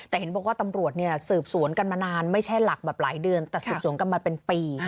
แต่เห็นบอกว่าตำรวจเนี่ยสืบสวนกันมานานไม่ใช่หลักแบบหลายเดือนแต่สืบสวนกันมาเป็นปี